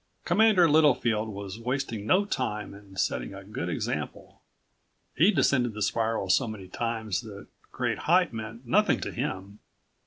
Commander Littlefield was wasting no time in setting a good example. He'd descended the spiral so many times that great height meant nothing to him.